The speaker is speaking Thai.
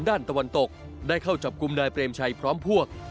ตะวันตกได้เข้าจับกลุ่มนายเปรมชัยพร้อมพวก